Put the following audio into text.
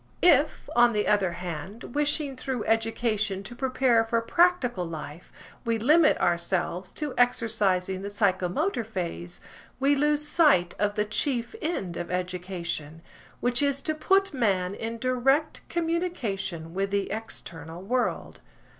If, on the other hand, wishing through education to prepare for practical life, we limit ourselves to exercising the psychomotor phase, we lose sight of the chief end of education, which is to put man in direct communication with the external world.